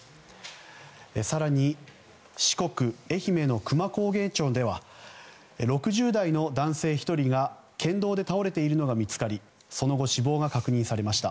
更に四国、愛媛の久万高原町では６０代の男性１人が県道で倒れているのが見つかりその後、死亡が確認されました。